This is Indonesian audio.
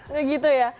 gak gitu ya